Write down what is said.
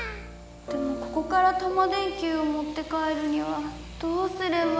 でもここからタマ電Ｑをもって帰るにはどうすれば。